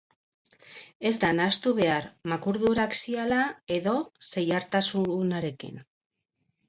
Ez da nahastu behar makurdura axiala edo zeihartasunarekin.